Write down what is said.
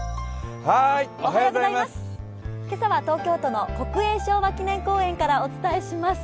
今朝は東京都の国営昭和記念公園からお伝えします。